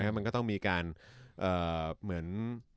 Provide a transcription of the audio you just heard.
มันก็ต้องมีการเหมือน